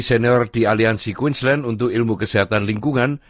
senior di aliansi queensland untuk ilmu kesehatan lingkungan